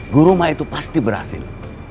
guru mah itu pasti berhasil